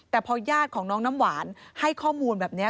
แต่พอญาติของน้องน้ำหวานให้ข้อมูลแบบนี้